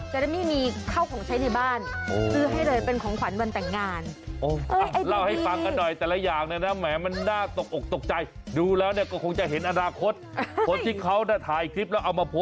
แต่นี่ก็ไม่มีเข้าของใช้ในบ้าน